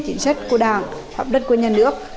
kỹ thuật của đảng hợp đất của nhà nước